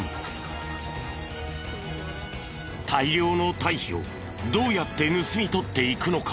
大量の堆肥をどうやって盗み取っていくのか？